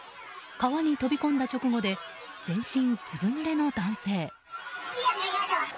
川に飛び込んだ直後で全身ずぶぬれの男性。